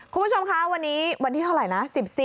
คุณผู้ชมคะวันนี้วันที่เท่าไหร่นะ